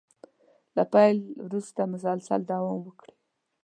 له پيل وروسته مسلسل دوام وکړي.